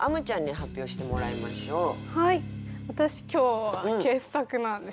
私今日は傑作なんです。